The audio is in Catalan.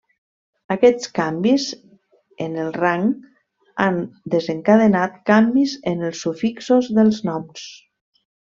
Aquests canvis en el rang han desencadenat canvis en els sufixos dels noms.